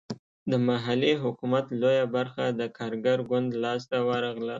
د محلي حکومت لویه برخه د کارګر ګوند لاسته ورغله.